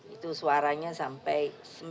itu suaranya sampai